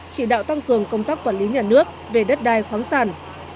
chỉ đạo tăng cường công tác quản lý nhà nước về đất đai khoáng sản